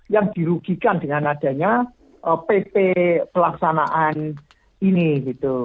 yang dirugikan dengan adanya pp pelaksanaan ini gitu